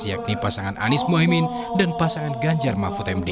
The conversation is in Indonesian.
yakni pasangan anies mohaimin dan pasangan ganjar mahfud md